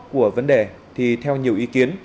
của vấn đề thì theo nhiều ý kiến